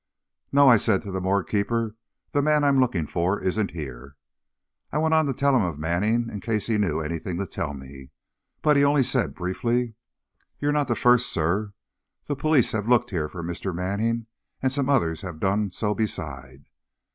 "No," I said to the morgue keeper, "the man I'm looking for isn't here." I went on to tell him of Manning, in case he knew anything to tell me. But he only said, briefly: "You're not the first, sir. The police have looked here for Mr. Manning and some others have done so beside."